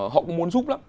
họ cũng muốn giúp lắm